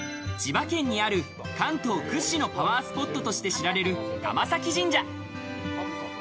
千葉県にある関東屈指のパワースポットとして知られる、玉前神社。